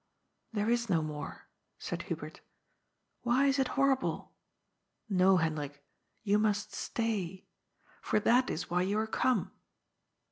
There is no more," said Hubert. " Why is it horrible ? No, Hendrik, you must stay. For that is why you are come.